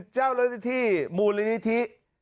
เจ้ารัวลิเมณิทธิ